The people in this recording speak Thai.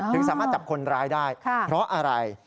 สามารถจับคนร้ายได้เพราะอะไร